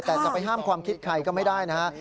แต่จะไปห้ามความคิดไขก็ไม่ได้นะครับ